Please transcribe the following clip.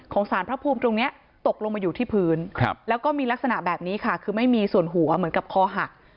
สารพระภูมิตรงนี้ตกลงมาอยู่ที่พื้นแล้วก็มีลักษณะแบบนี้ค่ะคือไม่มีส่วนหัวเหมือนกับคอหัก